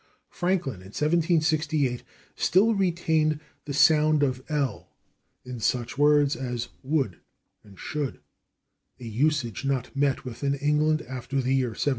Franklin, in 1768, still retained the sound of /l/ in such words as /would/ and /should/, a usage not met with in England after the year 1700.